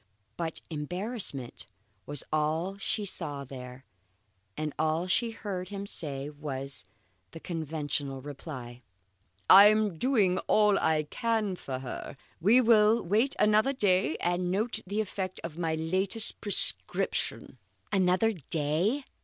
But embarrassment was all she saw there, and all she heard him say was the conventional reply: "I am doing all I can for her. We will wait another day and note the effect of my latest prescription." Another day!